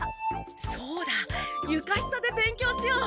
そうだゆか下で勉強しよう！